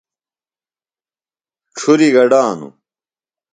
ڇُھریۡ گڈانوۡ۔